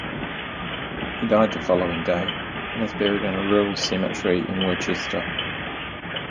He died the following day and is buried in the Rural Cemetery, Worcester.